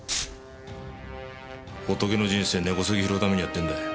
仏の人生根こそぎ拾うためにやってんだよ。